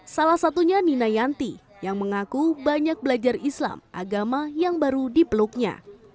salah satunya ninayanti yang mengaku banyak belajar islam agama yang baru dipeluknya